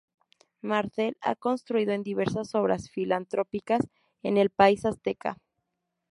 Martel ha contribuido en diversas obras filantrópicas en el país azteca.